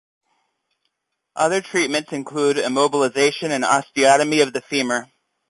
Other treatments include immobilization and osteotomy of the femur.